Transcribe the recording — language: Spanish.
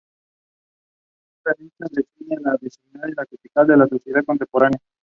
Transgresor, realista, defiende la dignidad y critica a la sociedad contemporánea.